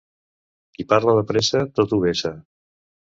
Qui parla de pressa tot ho vessa.